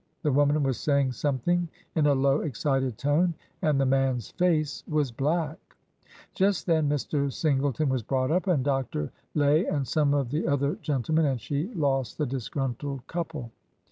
The woman was saying something in a low, excited tone, and the man's face was black. Just then Mr. Singleton was brought up, and Dr. Lay and some of the other gentlemen, and she lost the dis gruntled couple.